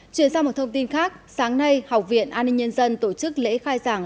chuyển sang một thông tin khác sáng nay học viện an ninh nhân dân tổ chức lễ khai giảng